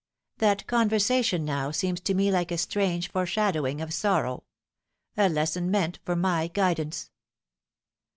That conversation now seems to me like a strange foreshadowing of sorrow a lesson meant for my guidance.